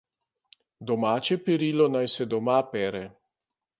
Domače perilo naj se doma pere.